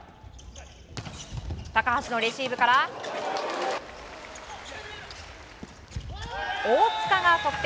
高橋のレシーブから大塚が得点。